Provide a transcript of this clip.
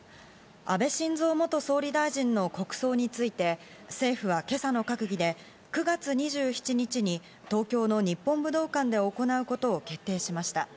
安倍晋三元総理大臣の国葬について、政府は今朝の閣議で、９月２７日に東京の日本武道館で行うことを決定しました。